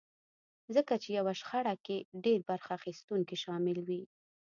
ځکه چې يوه شخړه کې ډېر برخه اخيستونکي شامل وي.